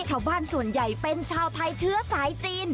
ชาวบ้านส่วนใหญ่เป็นชาวไทยเชื้อสายจีน